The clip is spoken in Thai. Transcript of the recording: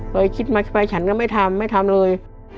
เคยคิดมาไปฉันก็ไม่ทำไม่ทำเลย